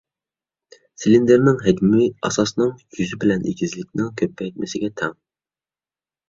سىلىندىرنىڭ ھەجمى، ئاساسىنىڭ يۈزى بىلەن ئېگىزلىكىنىڭ كۆپەيتمىسىگە تەڭ.